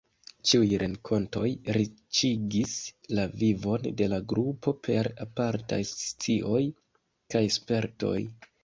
Ĉiuj renkontoj riĉigis la vivon de la Grupo per apartaj scioj kaj spertoj.